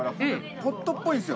ポットっぽいんですよ